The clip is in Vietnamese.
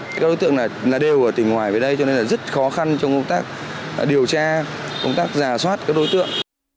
cái đối tượng này là đều ở tỉnh ngoài về đây cho nên là rất khó khăn trong công tác điều tra công tác giả soát các đối tượng